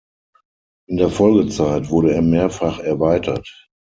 In der Folgezeit wurde er mehrfach erweitert.